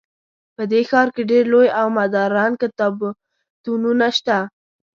په دې ښار کې ډیر لوی او مدرن کتابتونونه شته